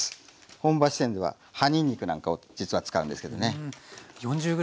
本場四川では葉にんにくなんかを実は使うんですけどね。